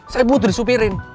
saya butuh disupirin